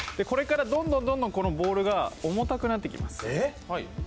これから、どんどんこのボールが重たくなってきます。